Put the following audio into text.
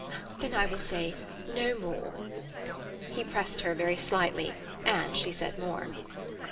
"Then I will say no more." He pressed her very slightly, and she said more.